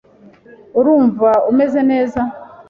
Urumva umeze neza?